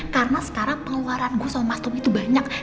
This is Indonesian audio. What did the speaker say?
karena sekarang pengeluaran gusong mastur itu banyak